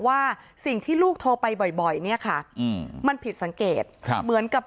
ว่าสิ่งที่ลูกโทรไปบ่อยเนี่ยค่ะมันผิดสังเกตเหมือนกับ